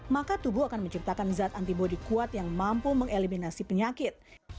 maka tubuh akan menciptakan zat antibody kuat yang mampu mengeliminasi penyakit